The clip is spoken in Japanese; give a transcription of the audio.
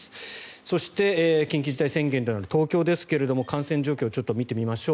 そして緊急事態宣言での東京ですが感染状況を見てみましょう。